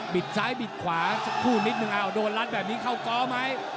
ซ้ายบิดขวาสักครู่นิดนึงโดนรัดแบบนี้เข้าก้อไหม